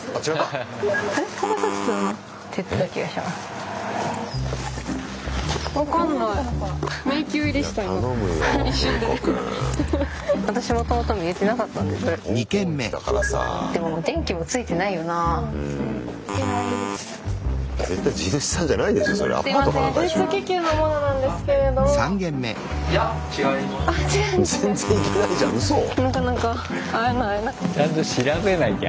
うそ⁉ちゃんと調べなきゃ。